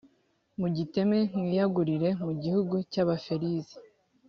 mugiteme mwiyagurire mu gihugu cy abaferizi